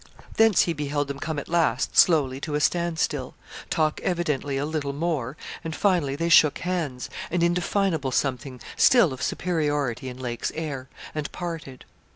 Thence he beheld them come at last slowly to a stand still, talk evidently a little more, and finally they shook hands an indefinable something still of superiority in Lake's air and parted.